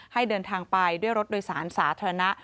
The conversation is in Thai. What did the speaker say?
ให้เดินทางไปด้วยรถโดยสารสาธารณะ